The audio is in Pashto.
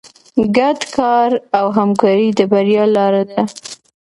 ګډ کار او همکاري د بریا لاره ده.